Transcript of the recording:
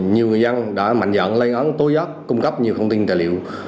nhiều người dân đã mạnh dẫn lây ngón tối giác cung cấp nhiều thông tin tài liệu